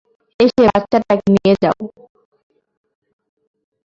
এসে বাচ্চাটাকে নিয়ে যাও।